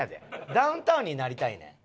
ダウンタウンになりたいねん。